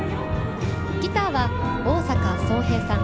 ギターは大坂曹平さん。